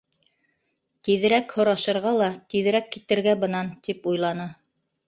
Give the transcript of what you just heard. Тиҙерәк һорашырға ла, тиҙерәк китергә бынан, тип уйланы.